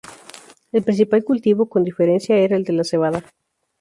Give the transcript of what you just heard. El principal cultivo, con diferencia, era el de la cebada.